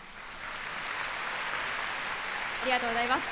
ありがとうございます。